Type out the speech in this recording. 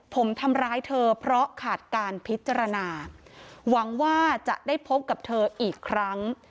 ผมทำร้ายเธอเพราะขาดการพิจารณาหวังว่าจะได้พบกับเธออีกครั้ง